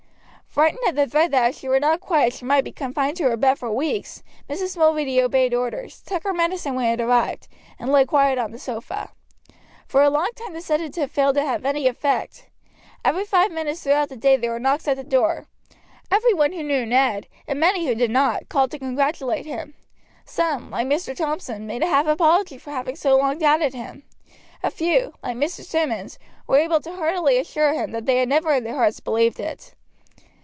Frightened at the threat that if she were not quiet she might be confined to her bed for weeks; Mrs. Mulready obeyed orders, took her medicine when it arrived, and lay quiet on the sofa. For a long time the sedative failed to have any effect. Every five minutes throughout the day there were knocks at the door. Every one who knew Ned, and many who did not, called to congratulate him. Some, like Mr. Thompson, made a half apology for having so long doubted him. A few, like Mr. Simmonds, were able heartily to assure him that they had never in their hearts believed it.